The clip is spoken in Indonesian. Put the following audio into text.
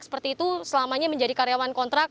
seperti itu selamanya menjadi karyawan kontrak